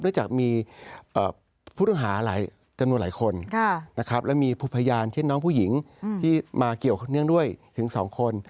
จากมีผู้ต้องหาหลายจำนวนหลายคนนะครับและมีพยานเช่นน้องผู้หญิงที่มาเกี่ยวเนื่องด้วยถึง๒คน